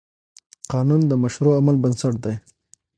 قانون د مشروع عمل بنسټ دی.